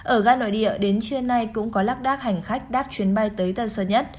ở gã nội địa đến trưa nay cũng có lắc đác hành khách đáp chuyến bay tới tầng sớm nhất